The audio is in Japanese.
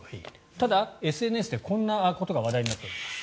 ただＳＮＳで、こんなことが話題になっております。